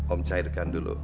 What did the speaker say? om cairkan dulu